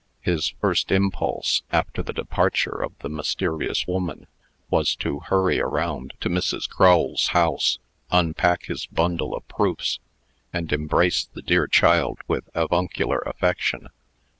His first impulse, after the departure of the mysterious woman, was to hurry around to Mrs. Crull's house, unpack his bundle of proofs, and embrace the dear child with avuncular affection.